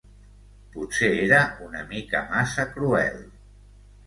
Potser era una mica massa cruel.